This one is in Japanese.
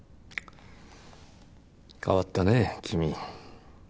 変わったね君。